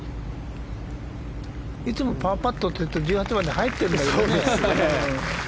いつもパーパットって言って１８番で入ってるんだけどね。